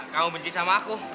kamu benci sama aku